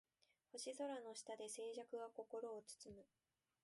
星空の下で静寂が心を包む